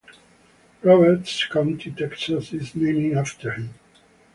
Roberts County, Texas, is named after him.